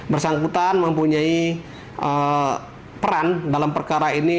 bersangkutan mempunyai peran dalam perkara ini